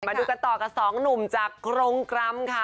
มาดูกันต่อกับสองหนุ่มจากกรงกรรมค่ะ